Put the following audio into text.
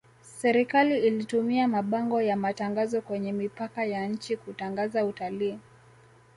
swrikali itumia mabango ya matangazo kwenye mipaka ya nchi kutangaza utalii